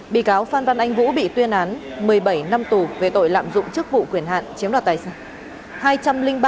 bị cáo phan văn anh vũ bị tuyên án một mươi bảy năm tù về tội lạm dụng chức vụ quyền hạn chiếm đoạt tài sản